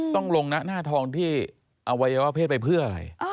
ต้องลงหน้าทองที่อวัยวะเพศไปเพื่ออะไร